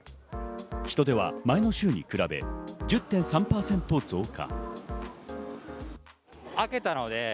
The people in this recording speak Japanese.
人出は前の週に比べ、１０．３％増加。